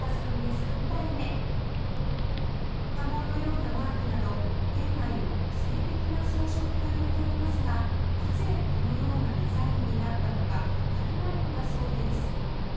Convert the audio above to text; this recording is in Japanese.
家紋のようなマークなど店内を個性的な装飾が彩りますがなぜこのようなデザインになったのかわからないのだそうです